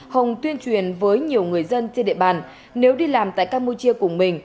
hồng tuyên truyền với nhiều người dân trên địa bàn nếu đi làm tại campuchia cùng mình